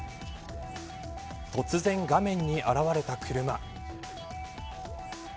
突然、画面に現れた車。